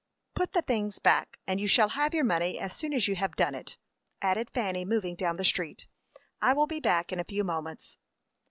"Put the things back, and you shall have your money as soon as you have done it," added Fanny, moving down the street. "I will be back in a few moments."